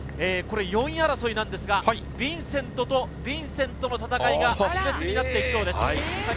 これ、４位争いなんですが、ヴィンセントとヴィンセントの戦いが、しれつになっていきそうです。